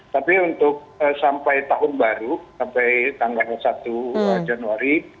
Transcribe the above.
tapi untuk sampai tahun baru sampai tanggal satu januari